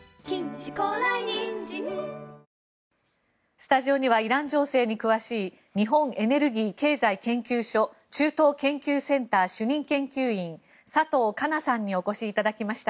スタジオにはイラン情勢に詳しい日本エネルギー経済研究所中東研究センター主任研究員佐藤佳奈さんにお越しいただきました。